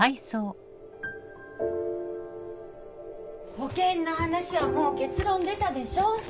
保険の話はもう結論出たでしょう